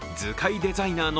デザイナーの